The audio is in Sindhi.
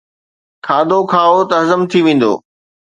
کاڌو کائو ته هضم ٿي ويندو.